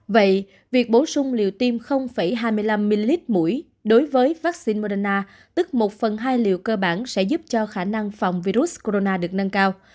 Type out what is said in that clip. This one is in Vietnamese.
vậy việc bổ sung liều tiêm hai mươi năm ml mũi đối với vaccine moderna tức một phần hai liệu cơ bản sẽ giúp cho khả năng phòng virus corona được nâng cao